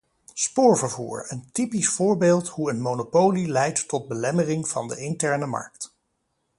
Spoorvervoer, een typisch voorbeeld hoe een monopolie leidt tot belemmering van de interne markt.